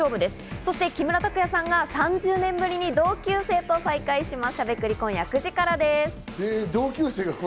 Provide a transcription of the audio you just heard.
そして木村拓哉さんが３０年ぶりに同級生と再会します。